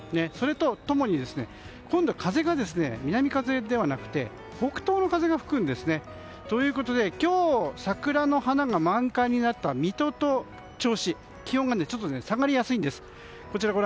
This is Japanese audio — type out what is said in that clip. それと共に今度は風が南風ではなくて北東の風が吹くんですね。ということで今日桜の花が満開になった水戸と銚子気温が下がりやすいんです。